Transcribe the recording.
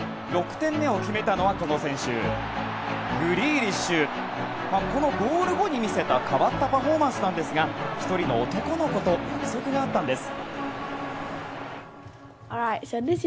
６点目を決めたのはこの選手、グリーリッシュ！ゴール後に見せた変わったパフォーマンスなんですが１人の男の子と約束があったんです。